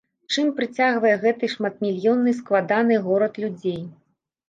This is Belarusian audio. Чым прыцягвае гэты шматмільённы складаны горад людзей?